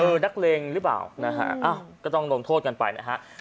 เออนักเลงหรือเปล่านะครับก็ต้องโดนโทษกันไปนะครับ